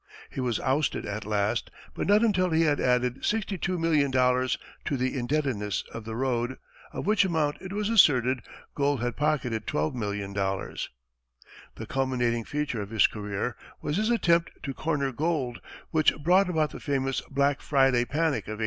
He was ousted, at last, but not until he had added $62,000,000 to the indebtedness of the road, of which amount it was asserted Gould had pocketed $12,000,000. The culminating feature of his career was his attempt to corner gold, which brought about the famous Black Friday panic of 1869.